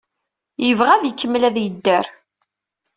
Yebɣa ad ikemmel ad yedder.